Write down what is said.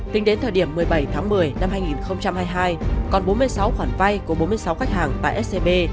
tính đến thời điểm một mươi bảy tháng một mươi năm hai nghìn hai mươi hai còn bốn mươi sáu khoản vay của bốn mươi sáu khách hàng tại scb